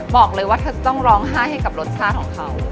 บอกเลยว่าเธอต้องร้องไห้ให้กับรสชาติของเขา